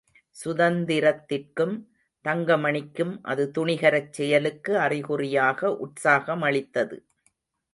சுந்தரத்திற்கும் தங்கமணிக்கும் அது துணிகரச் செயலுக்கு அறிகுறியாக உற்சாகமளித்தது.